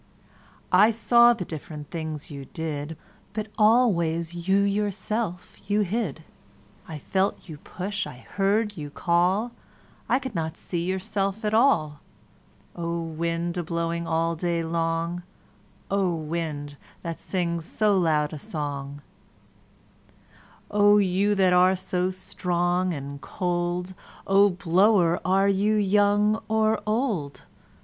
I saw the different things you did, But always you yourself you hid.I felt you push, I heard you call,I could not see yourself at all—O wind, a blowing all day long,O wind, that sings so loud a songO you that are so strong and cold,O blower, are you young or old?